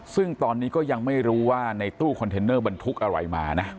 ซึ่งตอนนี้ก็ยังไม่รู้ว่าในตู้คอนเทนเนอร์บรรทุกอะไรมานะ